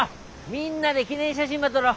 みんなで記念写真ば撮ろ。